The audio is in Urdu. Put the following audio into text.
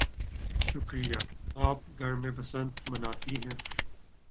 شکریہ. آپ گھر میں بسنت مناتی ہیں؟